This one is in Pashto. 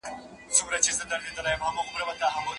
که قواعد ومنې نو لیکنه دې ښه ده.